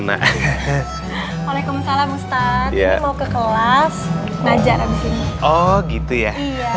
mau ke kelas ngejar oh gitu ya